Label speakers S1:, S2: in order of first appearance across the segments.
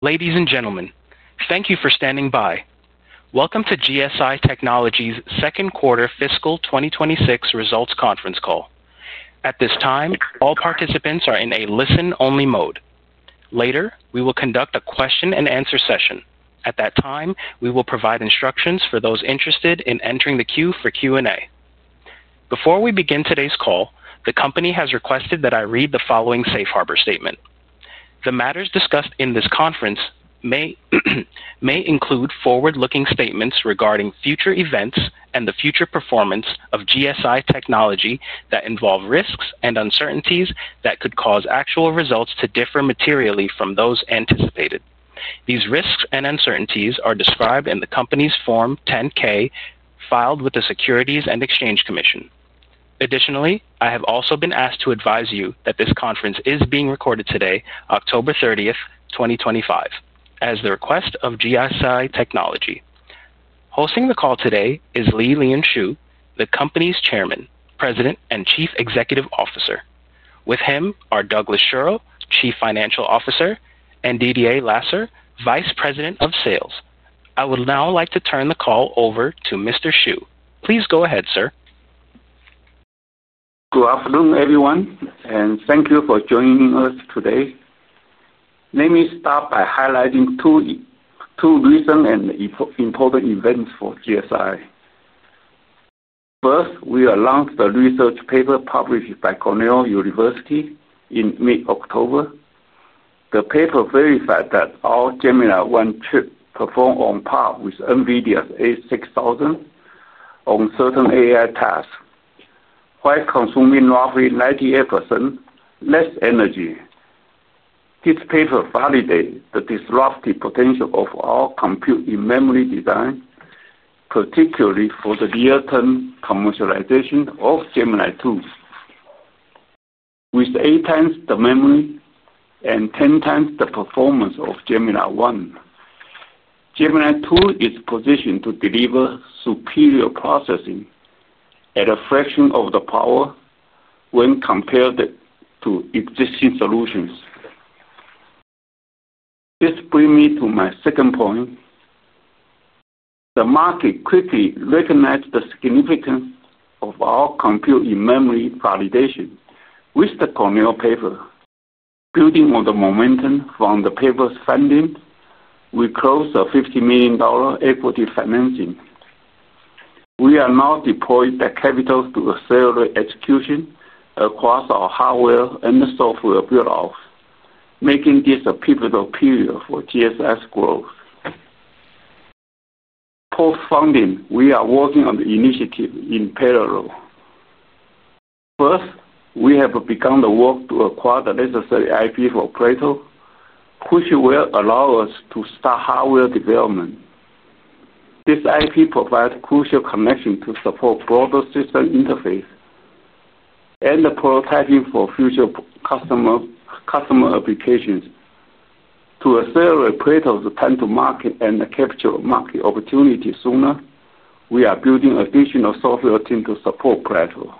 S1: Ladies and gentlemen, thank you for standing by. Welcome to GSI Technology's Second Quarter Fiscal 2026 Results Conference Call. At this time, all participants are in a listen-only mode. Later, we will conduct a question-and-answer session. At that time, we will provide instructions for those interested in entering the queue for Q&A. Before we begin today's call, the company has requested that I read the following safe harbor statement. The matters discussed in this conference may include forward-looking statements regarding future events and the future performance of GSI Technology that involve risks and uncertainties that could cause actual results to differ materially from those anticipated. These risks and uncertainties are described in the company's Form 10-K filed with the U.S. Securities and Exchange Commission. Additionally, I have also been asked to advise you that this conference is being recorded today, October 30, 2025, at the request of GSI Technology. Hosting the call today is Lee-Lean Shu, the company's Chairman, President, and Chief Executive Officer. With him are Douglas Schirle, Chief Financial Officer, and Didier Lasserre, Vice President of Sales. I would now like to turn the call over to Mr. Shu. Please go ahead, sir.
S2: Good afternoon, everyone, and thank you for joining us today. Let me start by highlighting two reasons and important events for GSI. First, we announced the research paper published by Cornell University in mid-October. The paper verified that all Gemini-I chips perform on par with NVIDIA's A6000 on certain AI tasks while consuming roughly 98% less energy. This paper validates the disruptive potential of our compute-in-memory design, particularly for the near-term commercialization of Gemini-II. With eight times the memory and ten times the performance of Gemini-I, Gemini-II is positioned to deliver superior processing at a fraction of the power when compared to existing solutions. This brings me to my second point. The market quickly recognized the significance of our compute-in-memory validation with the Cornell paper. Building on the momentum from the paper's funding, we closed a $50 million equity financing. We have now deployed the capital to accelerate execution across our hardware and software build-off, making this a pivotal period for GSI's growth. Post-funding, we are working on the initiative in parallel. First, we have begun the work to acquire the necessary IP for Plato, which will allow us to start hardware development. This IP provides crucial connections to support broader system interfaces and prototyping for future customer applications. To accelerate Plato's time-to-market and capture market opportunities sooner, we are building an additional software team to support Plato.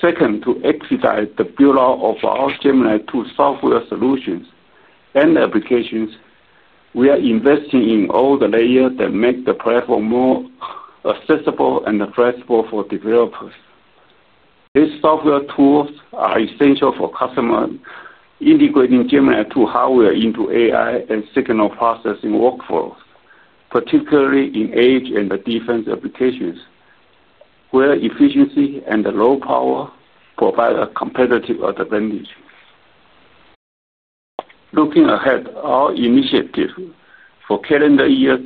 S2: Second, to exercise the build-off of our Gemini-II software solutions and applications, we are investing in all the layers that make the platform more accessible and flexible for developers. These software tools are essential for customers integrating Gemini-II hardware into AI and signal processing workflows, particularly in edge and defense applications where efficiency and low power provide a competitive advantage. Looking ahead, our initiatives for calendar year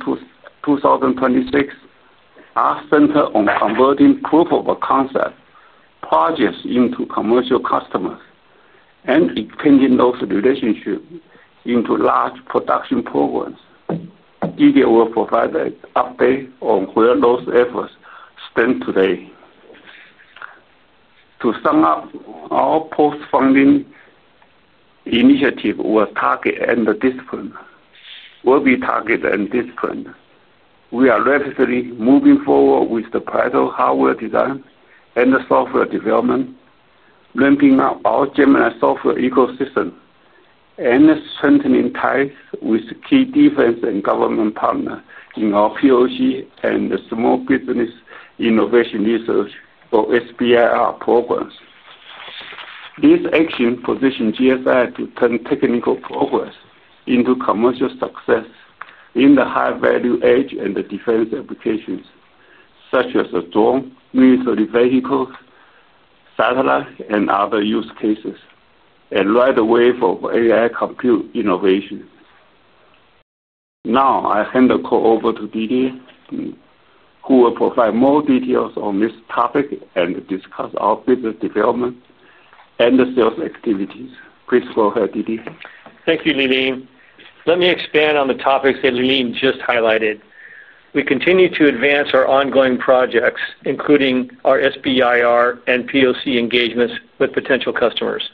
S2: 2026 are centered on converting proof-of-concept projects into commercial customers and expanding those relationships into large production programs. Didier will provide an update on where those efforts stand today. To sum up, our post-funding initiative will target and discipline. We are rapidly moving forward with the Plato hardware design and software development, ramping up our Gemini software ecosystem, and strengthening ties with key defense and government partners in our POC and Small Business Innovation Research for SBIR programs. These actions position GSI to turn technical progress into commercial success in the high-value edge and defense applications, such as drones, military vehicles, satellites, and other use cases, and ride the wave of AI compute innovation. Now, I hand the call over to Didier, who will provide more details on this topic and discuss our business development and sales activities. Please go ahead, Didier.
S3: Thank you, Lee-Lean. Let me expand on the topics that Lee-Lean just highlighted. We continue to advance our ongoing projects, including our SBIR and POC engagements with potential customers.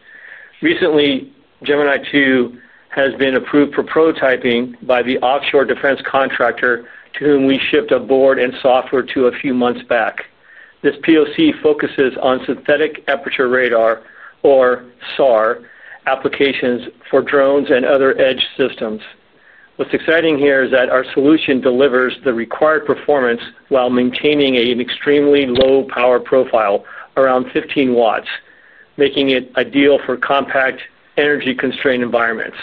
S3: Recently, Gemini-II has been approved for prototyping by the offshore defense contractor to whom we shipped a board and software to a few months back. This POC focuses on synthetic aperture radar, or SAR, applications for drones and other edge systems. What's exciting here is that our solution delivers the required performance while maintaining an extremely low power profile, around 15 W, making it ideal for compact, energy-constrained environments.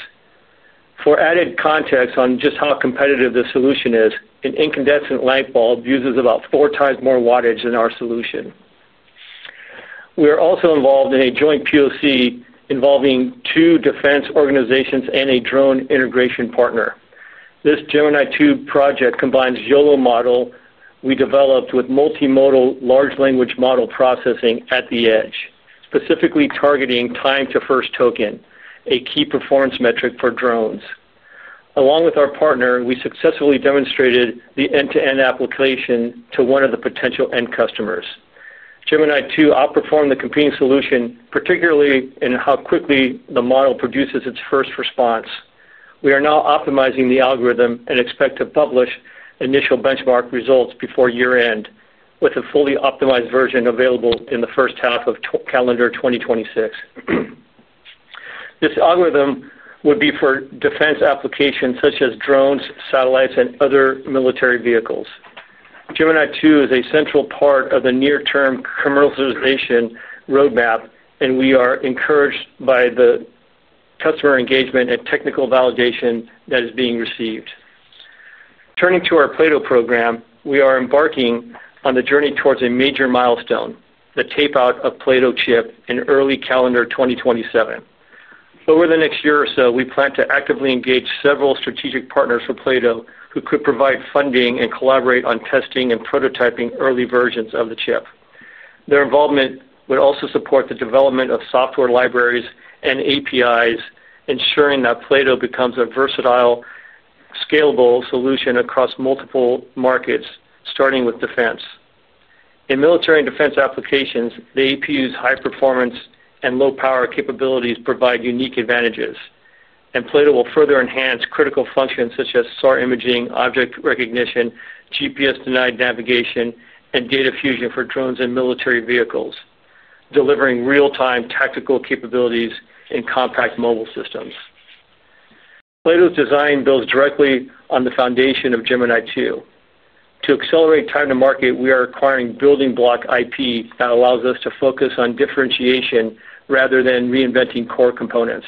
S3: For added context on just how competitive the solution is, an incandescent light bulb uses about 4x more wattage than our solution. We are also involved in a joint POC involving two defense organizations and a drone integration partner. This Gemini-II project combines YOLO models we developed with multimodal large language model processing at the edge, specifically targeting time-to-first token, a key performance metric for drones. Along with our partner, we successfully demonstrated the end-to-end application to one of the potential end customers. Gemini-II outperformed the competing solution, particularly in how quickly the model produces its first response. We are now optimizing the algorithm and expect to publish initial benchmark results before year-end, with a fully optimized version available in the first half of calendar 2026. This algorithm would be for defense applications such as drones, satellites, and other military vehicles. Gemini-II is a central part of the near-term commercialization roadmap, and we are encouraged by the customer engagement and technical validation that is being received. Turning to our Plato program, we are embarking on the journey towards a major milestone: the tape-out of Plato chip in early calendar 2027. Over the next year or so, we plan to actively engage several strategic partners for Plato who could provide funding and collaborate on testing and prototyping early versions of the chip. Their involvement would also support the development of software libraries and APIs, ensuring that Plato becomes a versatile, scalable solution across multiple markets, starting with defense. In military and defense applications, the APU's high performance and low power capabilities provide unique advantages, and Plato will further enhance critical functions such as SAR imaging, object recognition, GPS-denied navigation, and data fusion for drones and military vehicles, delivering real-time tactical capabilities in compact mobile systems. Plato's design builds directly on the foundation of Gemini-II. To accelerate time-to-market, we are acquiring building block IP that allows us to focus on differentiation rather than reinventing core components.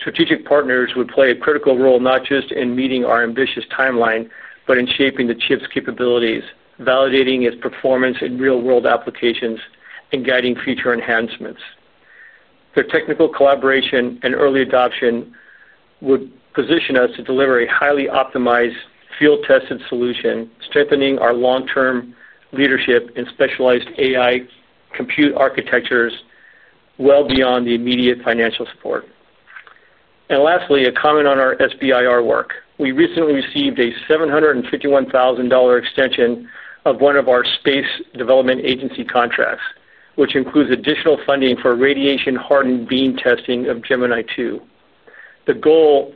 S3: Strategic partners would play a critical role not just in meeting our ambitious timeline, but in shaping the chip's capabilities, validating its performance in real-world applications, and guiding future enhancements. Their technical collaboration and early adoption would position us to deliver a highly optimized, field-tested solution, strengthening our long-term leadership in specialized AI compute architectures. Beyond the immediate financial support. Lastly, a comment on our SBIR work. We recently received a $751,000 extension of one of our Space Development Agency contracts, which includes additional funding for radiation-hardened beam testing of Gemini-II. The goal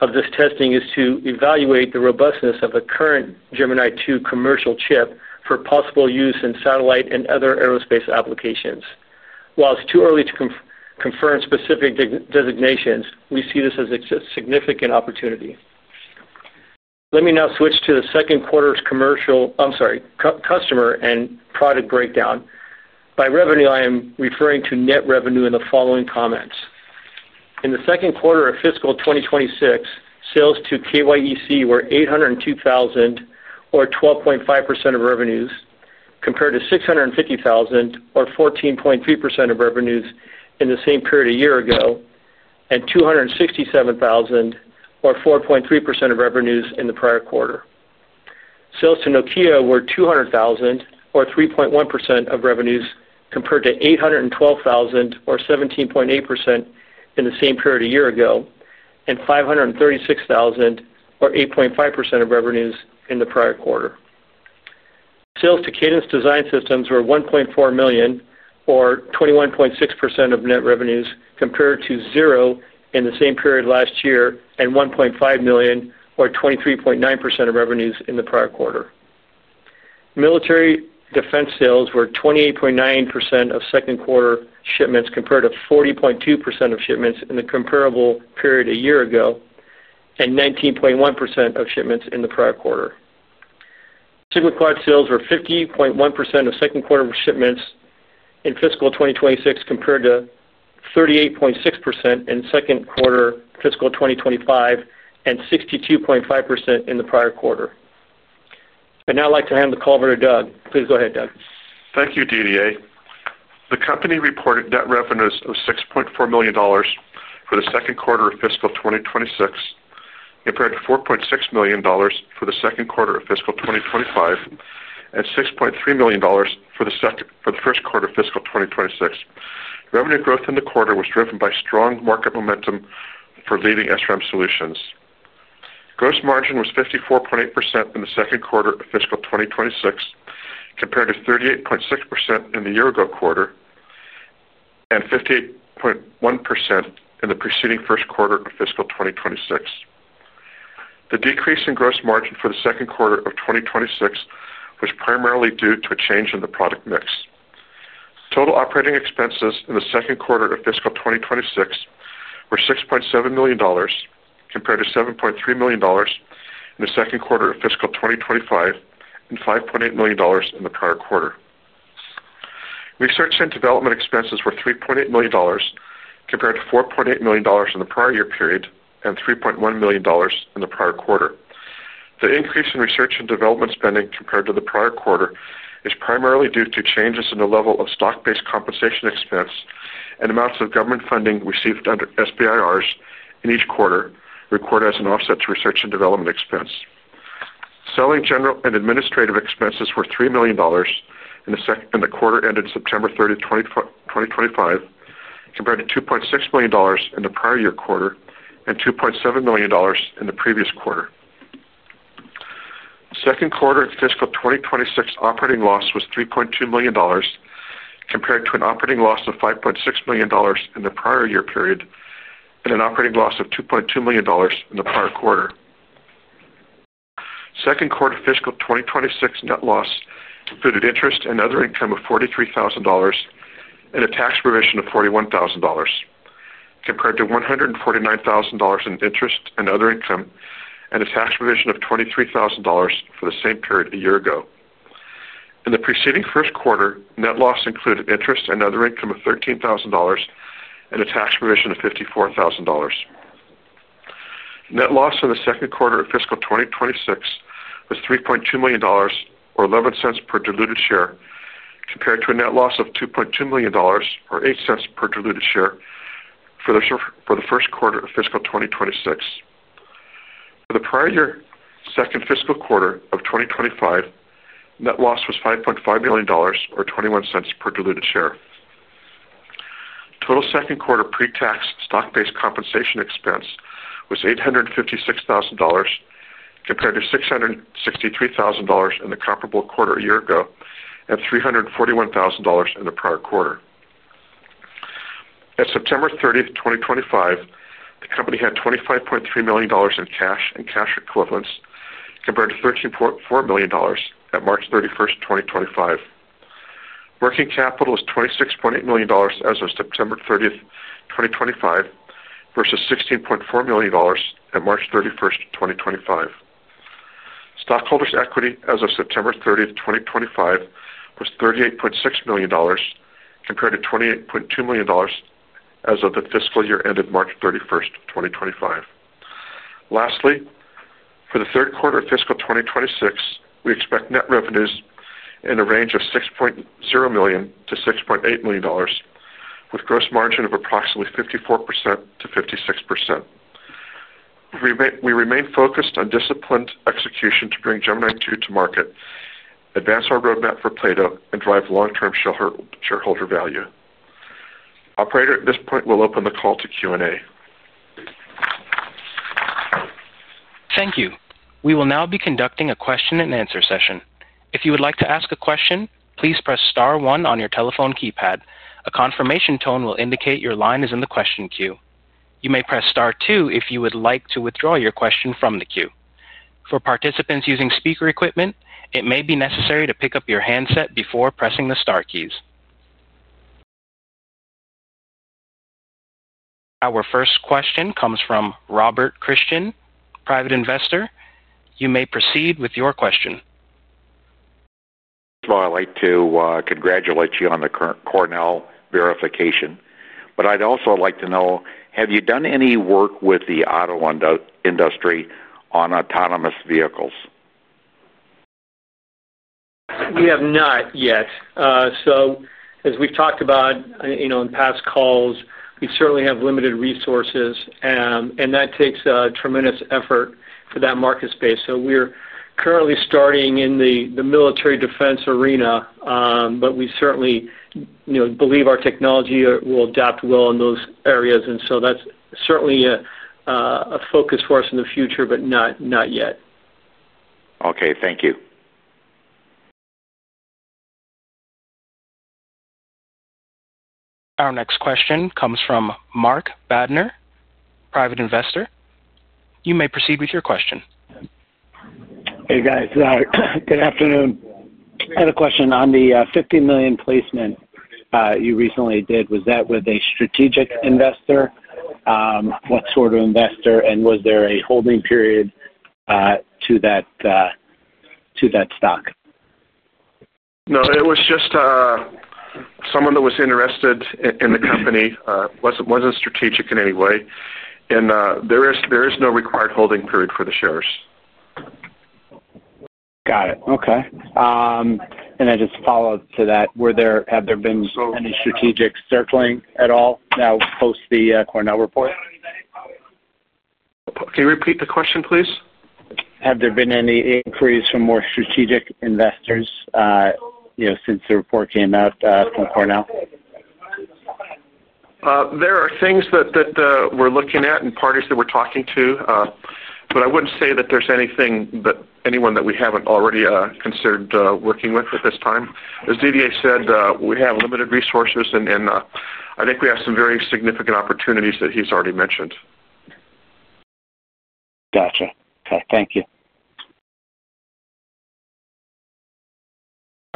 S3: of this testing is to evaluate the robustness of the current Gemini-II commercial chip for possible use in satellite and other aerospace applications. While it's too early to confirm specific designations, we see this as a significant opportunity. Let me now switch to the second quarter's customer and product breakdown. By revenue, I am referring to net revenue in the following comments. In the second quarter of fiscal 2026, sales to KYEC were $802,000, or 12.5% of revenues, compared to $650,000, or 14.3% of revenues in the same period a year ago, and $267,000, or 4.3% of revenues in the prior quarter. Sales to Nokia were $200,000, or 3.1% of revenues, compared to $812,000, or 17.8% in the same period a year ago, and $536,000, or 8.5% of revenues in the prior quarter. Sales to Cadence Design Systems were $1.4 million, or 21.6% of net revenues, compared to zero in the same period last year and $1.5 million, or 23.9% of revenues in the prior quarter. Military defense sales were 28.9% of second-quarter shipments, compared to 40.2% of shipments in the comparable period a year ago, and 19.1% of shipments in the prior quarter. SigmaQuad sales were 50.1% of second-quarter shipments in fiscal 2026, compared to 38.6% in second-quarter fiscal 2025 and 62.5% in the prior quarter. I'd now like to hand the call over to Doug. Please go ahead, Doug.
S4: Thank you, Didier. The company reported net revenues of $6.4 million for the second quarter of fiscal 2026, compared to $4.6 million for the second quarter of fiscal 2025 and $6.3 million for the first quarter of fiscal 2026. Revenue growth in the quarter was driven by strong market momentum for leading SRAM solutions. Gross margin was 54.8% in the second quarter of fiscal 2026, compared to 38.6% in the year-ago quarter and 58.1% in the preceding first quarter of fiscal 2026. The decrease in gross margin for the second quarter of 2026 was primarily due to a change in the product mix. Total operating expenses in the second quarter of fiscal 2026 were $6.7 million, compared to $7.3 million in the second quarter of fiscal 2025 and $5.8 million in the prior quarter. Research and development expenses were $3.8 million, compared to $4.8 million in the prior year period and $3.1 million in the prior quarter. The increase in research and development spending compared to the prior quarter is primarily due to changes in the level of stock-based compensation expense and amounts of government funding received under SBIRs in each quarter, recorded as an offset to research and development expense. Selling, general, and administrative expenses were $3 million in the quarter ended September 30, 2025, compared to $2.6 million in the prior year quarter and $2.7 million in the previous quarter. Second quarter of fiscal 2026 operating loss was $3.2 million, compared to an operating loss of $5.6 million in the prior year period and an operating loss of $2.2 million in the prior quarter. Second quarter fiscal 2026 net loss included interest and other income of $43,000 and a tax provision of $41,000, compared to $149,000 in interest and other income and a tax provision of $23,000 for the same period a year ago. In the preceding first quarter, net loss included interest and other income of $13,000 and a tax provision of $54,000. Net loss in the second quarter of fiscal 2026 was $3.2 million, or $0.11 per diluted share, compared to a net loss of $2.2 million, or $0.08 per diluted share for the first quarter of fiscal 2026. For the prior year second fiscal quarter of 2025, net loss was $5.5 million, or $0.21 per diluted share. Total second quarter pre-tax stock-based compensation expense was $856,000, compared to $663,000 in the comparable quarter a year ago and $341,000 in the prior quarter. At September 30, 2025, the company had $25.3 million in cash and cash equivalents compared to $13.4 million at March 31, 2025. Working capital was $26.8 million as of September 30, 2025, versus $16.4 million at March 31, 2025. Stockholders' equity as of September 30, 2025, was $38.6 million compared to $28.2 million as of the fiscal year ended March 31, 2025. Lastly, for the third quarter of fiscal 2026, we expect net revenues in a range of $6.0 million to $6.8 million, with gross margin of approximately 54% to 56%. We remain focused on disciplined execution to bring Gemini-II to market, advance our roadmap for Plato, and drive long-term shareholder value. Operator, at this point, we'll open the call to Q&A.
S1: Thank you. We will now be conducting a question-and-answer session. If you would like to ask a question, please press Star 1 on your telephone keypad. A confirmation tone will indicate your line is in the question queue. You may press Star 2 if you would like to withdraw your question from the queue. For participants using speaker equipment, it may be necessary to pick up your handset before pressing the Star keys. Our first question comes from Robert Christian, private investor. You may proceed with your question. First of all, I'd like to congratulate you on the Cornell verification. I'd also like to know, have you done any work with the auto industry on autonomous vehicles?
S3: We have not yet. As we've talked about in past calls, we certainly have limited resources, and that takes tremendous effort for that market space. We're currently starting in the military defense arena, but we certainly believe our technology will adapt well in those areas, and that's certainly a focus for us in the future, but not yet. Okay, thank you.
S1: Our next question comes from Mark Badner, private investor. You may proceed with your question. Hey guys, good afternoon. I had a question on the $50 million placement you recently did. Was that with a strategic investor? What sort of investor was that, and was there a holding period to that stock?
S4: No, it was just someone that was interested in the company, wasn't strategic in any way. There is no required holding period for the shares. Got it. Okay. Just to follow up to that, have there been any strategic circling at all post the Cornell report? Can you repeat the question, please? Have there been any increase from more strategic investors since the report came out from Cornell? There are things that we're looking at and parties that we're talking to. I wouldn't say that there's anything or anyone that we haven't already considered working with at this time. As Didier said, we have limited resources, and I think we have some very significant opportunities that he's already mentioned. Got it. Okay, thank you.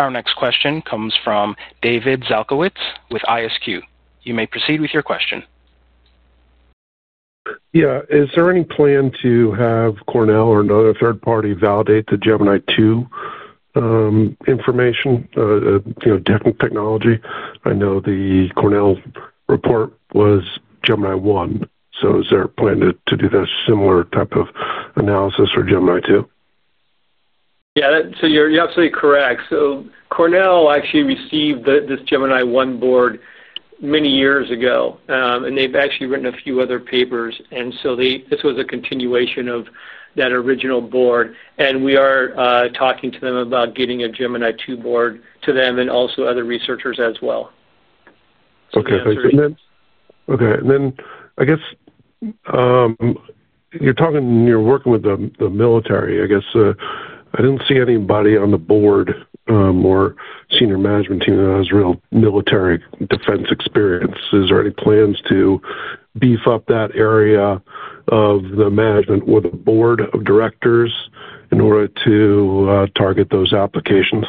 S1: Our next question comes from David Zalkowitz with ISQ. You may proceed with your question.
S5: Is there any plan to have Cornell or another third party validate the Gemini-II information? I know the Cornell report was Gemini-I, so is there a plan to do that similar type of analysis for Gemini-II?
S3: Yeah, you're absolutely correct. Cornell actually received this Gemini-I board many years ago, and they've actually written a few other papers. This was a continuation of that original board. We are talking to them about getting a Gemini-II board to them and also other researchers as well.
S5: Okay, thank you. I guess you're talking and you're working with the military. I guess I didn't see anybody on the board or Senior Management team that has real military defense experience. Is there any plans to beef up that area of the management or the Board of Directors in order to target those applications?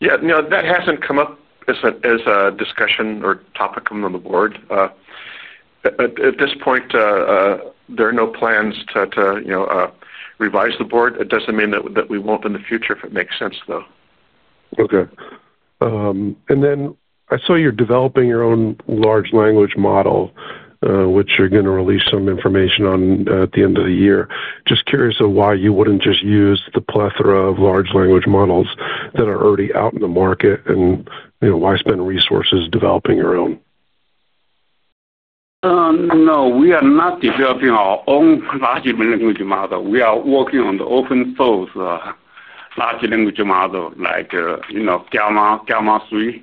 S4: No, that hasn't come up as a discussion or topic on the board at this point. There are no plans to revise the board. It doesn't mean that we won't in the future if it makes sense, though.
S5: Okay. I saw you're developing your own large language model, which you're going to release some information on at the end of the year. Just curious why you wouldn't just use the plethora of large language models that are already out in the market and why spend resources developing your own?
S2: No, we are not developing our own large language model. We are working on the open-source large language model like Gemini-III.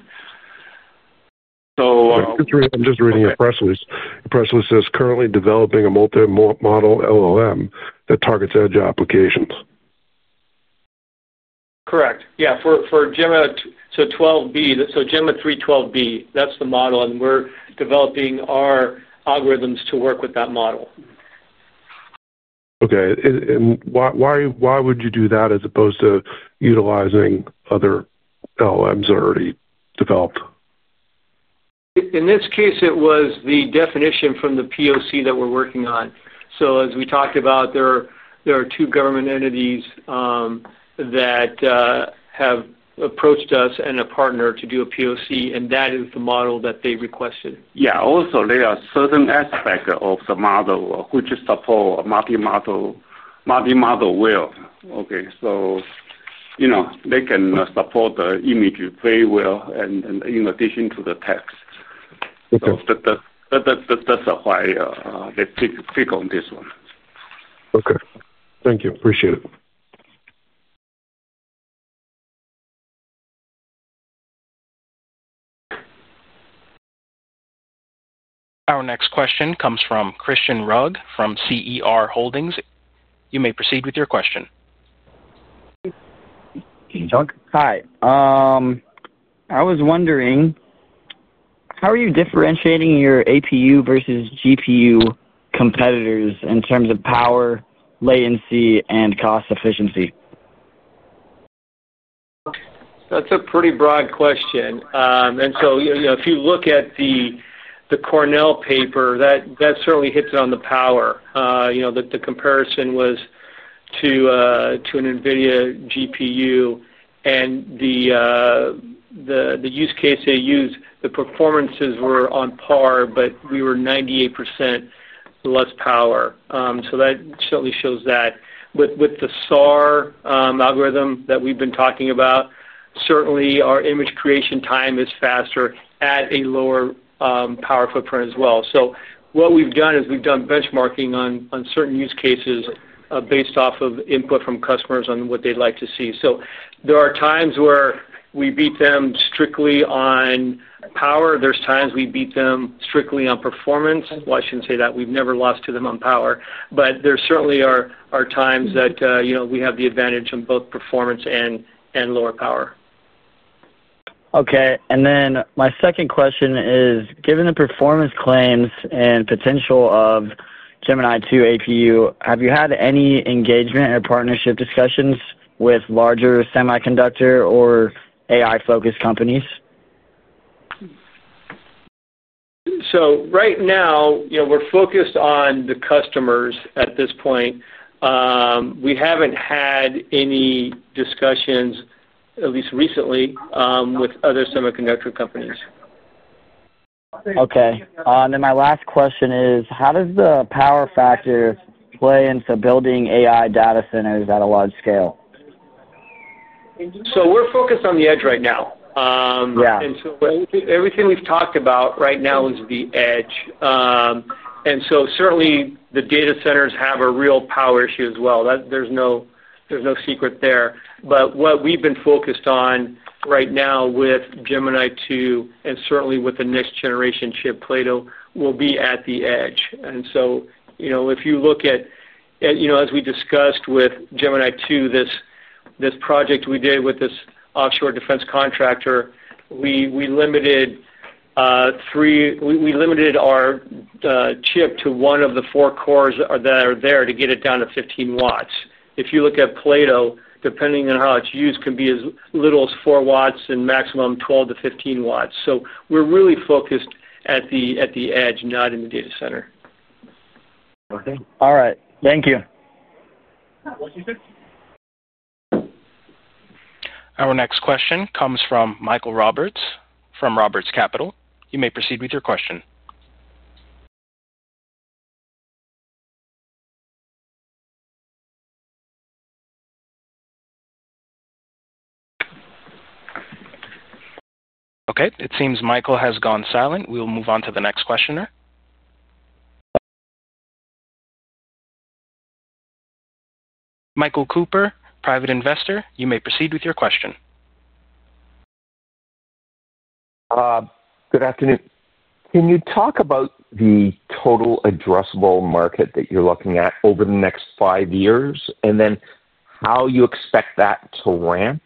S5: I'm just reading your press release. The press release says currently developing a multi-model (LLM) that targets edge applications.
S3: Correct. Yeah, for Gemini-I 12B, so Gemini-III 12B, that's the model, and we're developing our algorithms to work with that model.
S5: Okay, why would you do that as opposed to utilizing other LLMs that are already developed?
S3: In this case, it was the definition from the POC that we're working on. As we talked about, there are two government entities that have approached us and a partner to do a POC, and that is the model that they requested.
S2: Yeah, also there are certain aspects of the model which support multimodal. They can support the image very well in addition to the text. That's why they pick on this one.
S5: Okay, thank you. Appreciate it.
S1: Our next question comes from Christian Rugg from CER Holdings. You may proceed with your question.
S6: Doug, hi. I was wondering how are you differentiating your APU versus GPU competitors in terms of power, latency, and cost efficiency?
S3: That's a pretty broad question. If you look at the Cornell paper, that certainly hits on the power. The comparison was to an NVIDIA GPU, and the use case they used, the performances were on par, but we were 98% less power. That certainly shows that with the SAR algorithm that we've been talking about, our image creation time is faster at a lower power footprint as well. What we've done is we've done benchmarking on certain use cases based off of input from customers on what they'd like to see. There are times where we beat them strictly on power. There are times we beat them strictly on performance. I shouldn't say that. We've never lost to them on power. There certainly are times that we have the advantage in both performance and lower power.
S6: Okay. My second question is, given the performance claims and potential of Gemini-II APU, have you had any engagement or partnership discussions with larger semiconductor or AI-focused companies?
S3: Right now, we're focused on the customers at this point. We haven't had any discussions, at least recently, with other semiconductor companies.
S6: Okay. My last question is, how does the power factor play into building AI data centers at a large scale?
S3: We're focused on the edge right now. Everything we've talked about right now is the edge. Certainly, the data centers have a real power issue as well. There's no secret there. What we've been focused on right now with Gemini-II, and certainly with the next generation chip, Plato, will be at the edge. As we discussed with Gemini-II, this project we did with this offshore defense contractor, we limited our chip to one of the four cores that are there to get it down to 15 W. If you look at Plato, depending on how it's used, it can be as little as 4 W and maximum 12 W to 15 W. We're really focused at the edge, not in the data center.
S6: Okay. All right. Thank you.
S1: Our next question comes from Michael Roberts from Roberts Capital. You may proceed with your question. It seems Michael has gone silent. We'll move on to the next questioner. Michael Cooper, private investor. You may proceed with your question. Good afternoon. Can you talk about the total addressable market that you're looking at over the next five years and then how you expect that to ramp?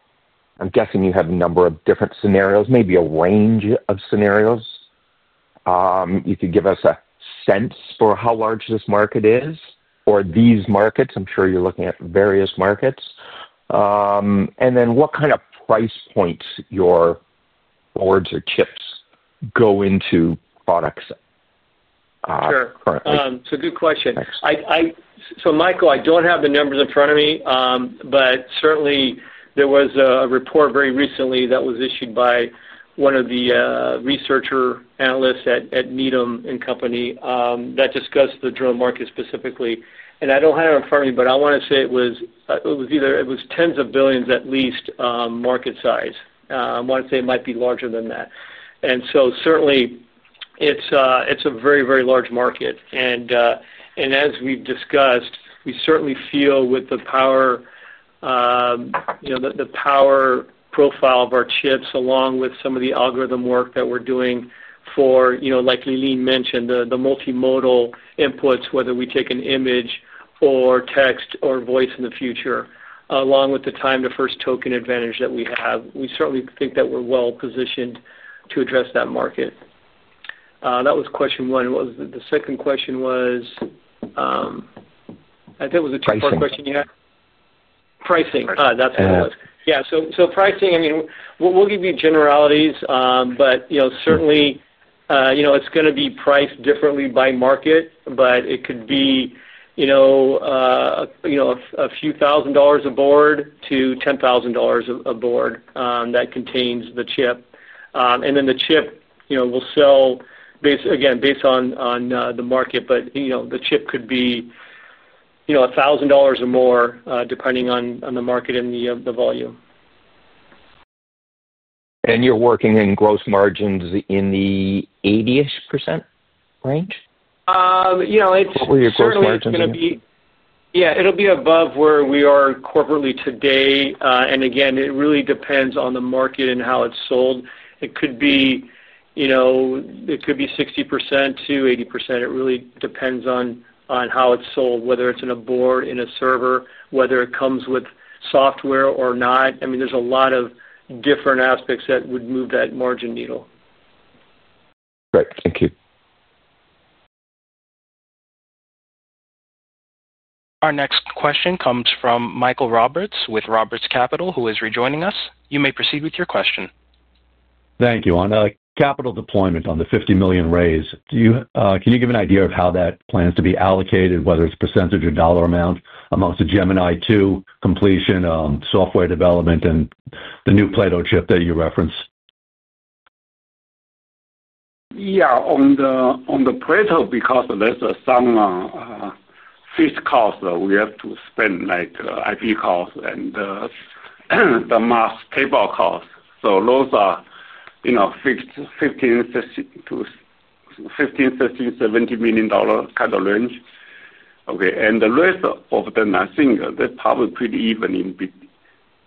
S1: I'm guessing you have a number of different scenarios, maybe a range of scenarios. You could give us a sense for how large this market is or these markets. I'm sure you're looking at various markets. What kind of price points your boards or chips go into products currently?
S3: Sure. Good question. Michael, I don't have the numbers in front of me, but certainly there was a report very recently that was issued by one of the research analysts at Needham & Company that discussed the drill market specifically. I don't have it in front of me, but I want to say it was either tens of billions at least market size. I want to say it might be larger than that. It is a very, very large market. As we've discussed, we certainly feel with the power profile of our chips along with some of the algorithm work that we're doing for, like Lee-Lean mentioned, the multimodal inputs, whether we take an image or text or voice in the future, along with the time to first token advantage that we have, we certainly think that we're well positioned to address that market. That was question one. The second question was, I think it was a two-part question you had. Pricing. Pricing. Oh, that's what it was. Yeah. Pricing, I mean, we'll give you generalities, but certainly it's going to be priced differently by market. It could be a few thousand dollars a board to $10,000 a board that contains the chip. The chip will sell, again, based on the market, but the chip could be $1,000 or more depending on the market and the volume. You're working in gross margins in the 80% range? It's certainly going to be. What were your gross margins? It'll be above where we are corporately today. It really depends on the market and how it's sold. It could be 60% to 80%. It really depends on how it's sold, whether it's in a board, in a server, whether it comes with software or not. There's a lot of different aspects that would move that margin needle.
S6: Great. Thank you.
S1: Our next question comes from Michael Roberts with Roberts Capital, who is rejoining us. You may proceed with your question.
S7: Thank you. On capital deployment on the $50 million raise, can you give an idea of how that plans to be allocated, whether it's percentage or dollar amount amongst the Gemini-II completion, software development, and the new Plato chip that you referenced?
S2: Yeah. On the Plato, because there's some fixed costs that we have to spend, like IP costs and the mask cable costs. Those are in the $15 million, $16 million, $17 million kind of range. The rest of them, I think they're probably pretty even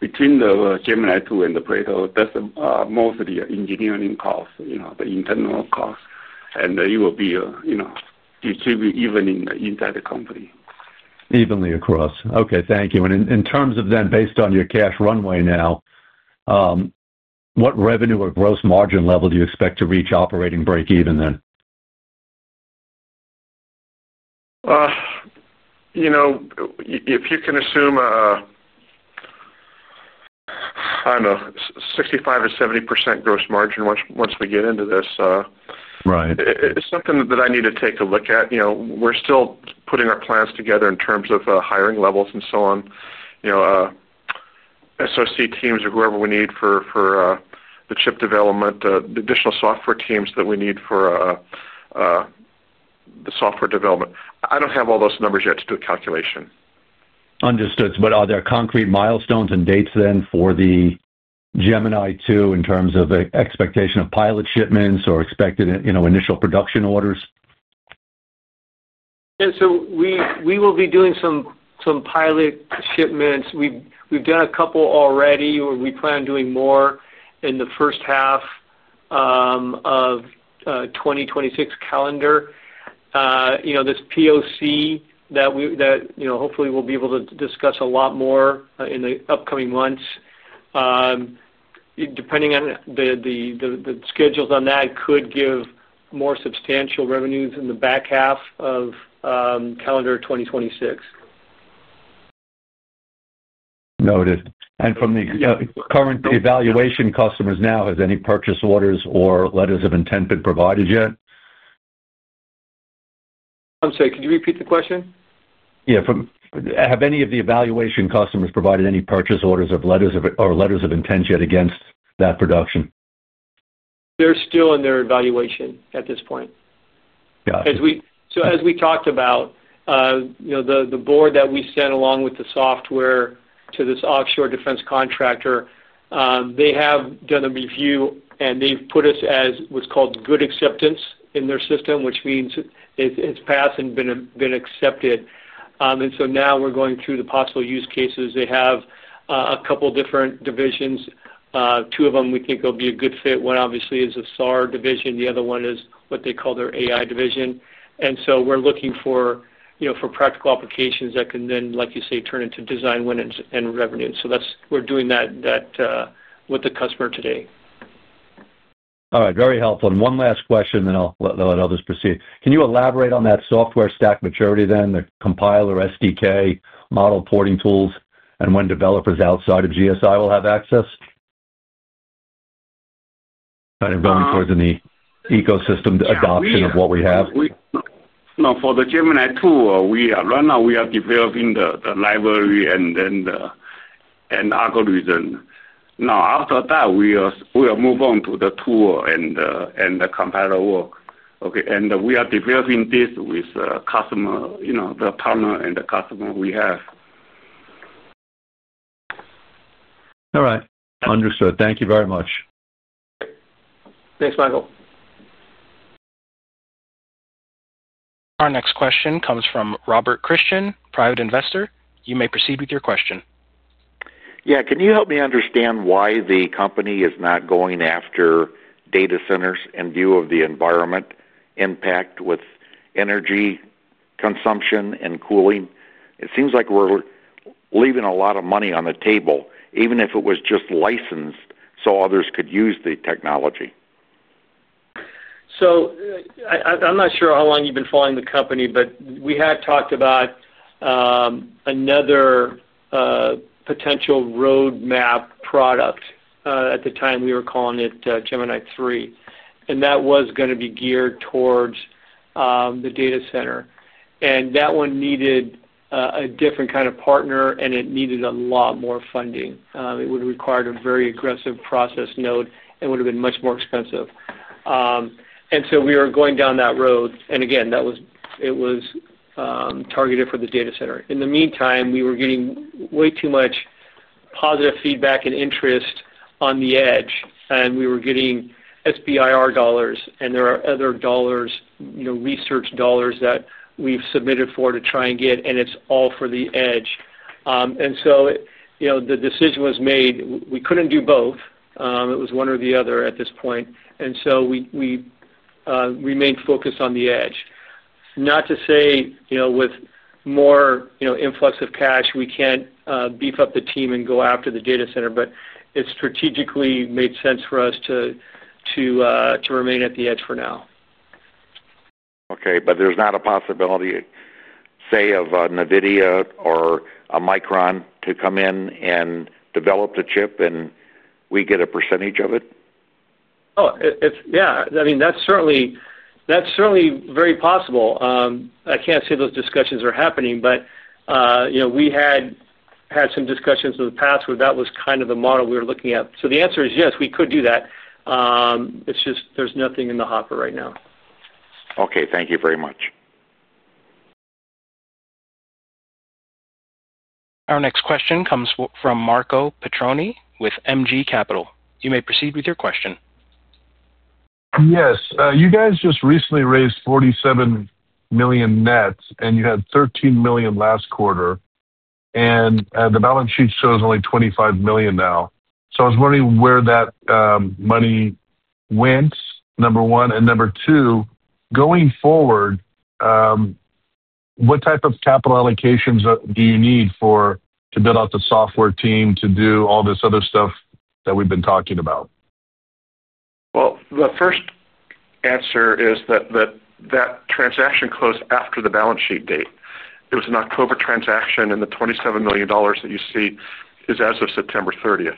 S2: between the Gemini-II and the Plato. That's mostly engineering costs, the internal costs, and it will be distributed evenly inside the company.
S7: Thank you. In terms of them, based on your cash runway now, what revenue or gross margin level do you expect to reach operating break-even then?
S4: If you can assume, I don't know, 65% or 70% gross margin once we get into this.
S7: Right.
S4: It's something that I need to take a look at. We're still putting our plans together in terms of hiring levels and so on. Associate teams or whoever we need for the chip development, the additional software teams that we need for the software development. I don't have all those numbers yet to do a calculation.
S7: Understood. Are there concrete milestones and dates for the Gemini-II in terms of expectation of pilot shipments or expected initial production orders?
S3: Yeah. We will be doing some pilot shipments. We've done a couple already, or we plan on doing more in the first half of 2026 calendar. This POC that hopefully we'll be able to discuss a lot more in the upcoming months, depending on the schedules on that, could give more substantial revenues in the back half of calendar 2026.
S7: Noted. From the current evaluation customers now, has any purchase orders or letters of intent been provided yet?
S3: I'm sorry. Could you repeat the question?
S7: Have any of the evaluation customers provided any purchase orders or letters of intent yet against that production?
S3: They're still in their evaluation at this point.
S7: Got it.
S3: As we talked about, the board that we sent along with the software to this offshore defense contractor has been reviewed, and they've put us as what's called good acceptance in their system, which means it's passed and been accepted. Now we're going through the possible use cases. They have a couple of different divisions. Two of them, we think it'll be a good fit. One obviously is a SAR division. The other one is what they call their AI division. We're looking for practical applications that can then, like you say, turn into design wins and revenue. We're doing that with the customer today.
S7: All right. Very helpful. One last question, then I'll just proceed. Can you elaborate on that software stack maturity, the compiler SDK model porting tools, and when developers outside of GSI will have access? Kind of going towards an ecosystem adoption of what we have.
S2: No, for the Gemini-II, right now we are developing the library and the algorithm. After that, we will move on to the tool and the compiler work. We are developing this with the partner and the customer we have.
S7: All right. Understood. Thank you very much.
S3: Thanks, Michael.
S1: Our next question comes from Robert Christian, private investor. You may proceed with your question. Can you help me understand why the company is not going after data centers in view of the environment impact with energy consumption and cooling? It seems like we're leaving a lot of money on the table, even if it was just licensed so others could use the technology.
S3: I'm not sure how long you've been following the company, but we had talked about another potential roadmap product. At the time, we were calling it Gemini-III, and that was going to be geared towards the data center. That one needed a different kind of partner, and it needed a lot more funding. It would have required a very aggressive process node and would have been much more expensive. We were going down that road. It was targeted for the data center. In the meantime, we were getting way too much positive feedback and interest on the edge. We were getting SBIR dollars, and there are other research dollars that we've submitted for to try and get, and it's all for the edge. The decision was made. We couldn't do both. It was one or the other at this point. We remained focused on the edge. Not to say with more influx of cash, we can't beef up the team and go after the data center, but it strategically made sense for us to remain at the edge for now. Okay. There's not a possibility, say, of NVIDIA or a Micron to come in and develop the chip and we get a percentage of it? Oh, yeah. I mean, that's certainly very possible. I can't say those discussions are happening, but we had some discussions in the past where that was kind of the model we were looking at. The answer is yes, we could do that. It's just there's nothing in the hopper right now. Okay, thank you very much.
S1: Our next question comes from Marco Petroni with MG Capital. You may proceed with your question.
S8: Yes. You guys just recently raised $47 million net, and you had $13 million last quarter. The balance sheet shows only $25 million now. I was wondering where that money went, number one. Number two, going forward, what type of capital allocations do you need to build out the software team to do all this other stuff that we've been talking about?
S4: The first answer is that that transaction closed after the balance sheet date. It was an October transaction, and the $27 million that you see is as of September 30.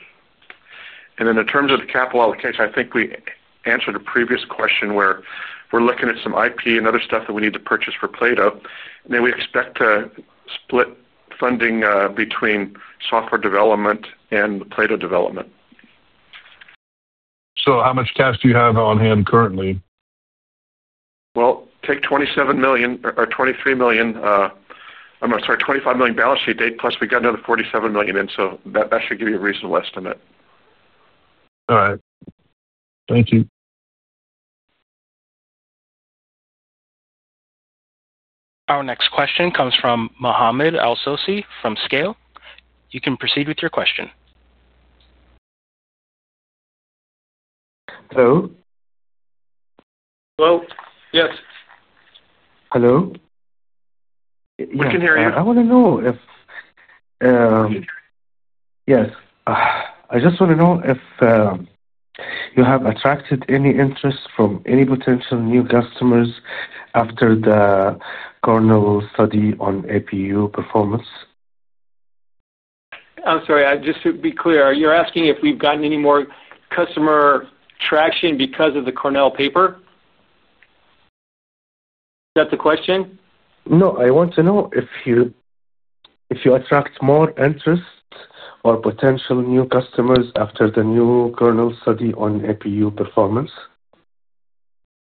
S4: In terms of the capital allocation, I think we answered a previous question where we're looking at some IP and other stuff that we need to purchase for Plato. We expect to split funding between software development and Plato development.
S8: How much cash do you have on hand currently?
S4: Take $27 million or $23 million, I'm sorry, $25 million balance sheet date, plus we got another $47 million. That should give you a reasonable estimate.
S8: All right, thank you.
S1: Our next question comes from Mohammed Al-Sosi from Scale. You can proceed with your question.
S9: Hello?
S3: Hello? Yes.
S9: Hello?
S3: We can hear you.
S9: I just want to know if you have attracted any interest from any potential new customers after the Cornell study on APU performance.
S3: I'm sorry. Just to be clear, are you asking if we've gotten any more customer traction because of the Cornell paper? Is that the question?
S9: I want to know if you attract more interest or potential new customers after the new Cornell study on APU performance.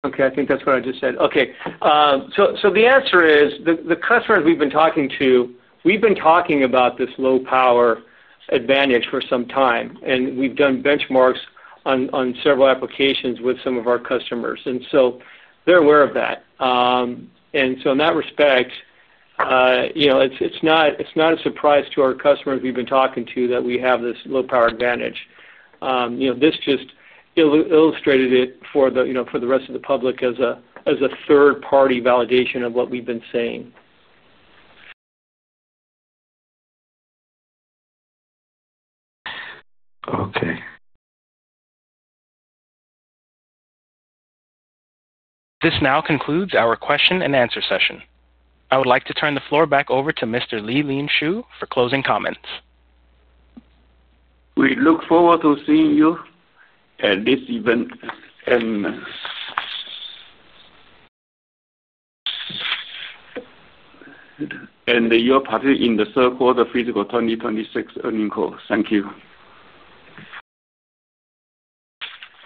S3: I think that's what I just said. The answer is the customers we've been talking to, we've been talking about this low-power advantage for some time. We've done benchmarks on several applications with some of our customers, so they're aware of that. In that respect, it's not a surprise to our customers we've been talking to that we have this low-power advantage. This just illustrated it for the rest of the public as a third-party validation of what we've been saying.
S9: Okay.
S1: This now concludes our question and answer session. I would like to turn the floor back over to Mr. Lee-Lean Shu for closing comments.
S2: We look forward to seeing you at this event. You're part in the third quarter physical 2026 earnings call. Thank you.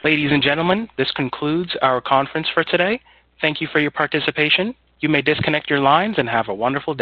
S1: Ladies and gentlemen, this concludes our conference for today. Thank you for your participation. You may disconnect your lines and have a wonderful day.